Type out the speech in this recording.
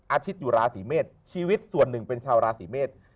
อาทิตย์อยู่ราศีเมษชีวิตส่วนหนึ่งเป็นชาวราศีเมษ